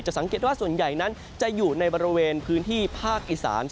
สังเกตว่าส่วนใหญ่นั้นจะอยู่ในบริเวณพื้นที่ภาคอีสาน